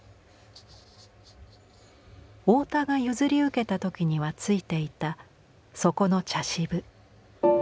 太田が譲り受けた時にはついていた底の茶渋。